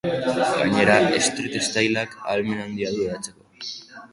Gainera, street style-ak ahalmen handia du hedatzeko.